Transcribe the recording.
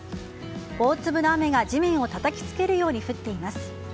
大粒の雨が地面をたたき付けるように降っています。